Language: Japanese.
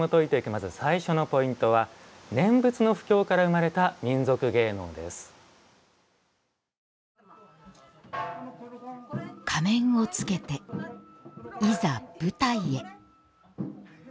まず最初のポイントは「念仏の布教から生まれた仮面を付けて、いざ舞台へ。